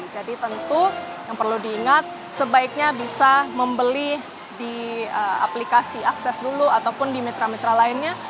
jadi tentu yang perlu diingat sebaiknya bisa membeli di aplikasi akses dulu ataupun di mitra mitra lainnya